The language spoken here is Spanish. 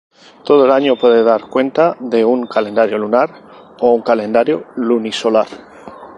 Todo el año puede dar cuenta de un calendario lunar o un calendario lunisolar.